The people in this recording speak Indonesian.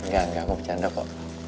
gak gak mau bercanda kok